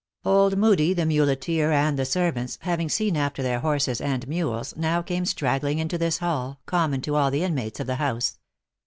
Old Moodie, the muleteer, and the servants, having seen after their horses and mules, now came straggling into this hall, common to all the inmates of the house.